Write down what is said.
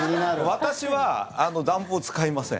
私は暖房使いません。